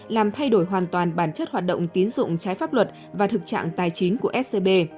làm thay đổi hoàn toàn bản chất hoạt động tiến dụng trái pháp luật và thực trạng tài chính của scb